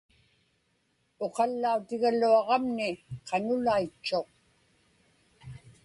Uqallautigaluaġamni qanulaitchuq.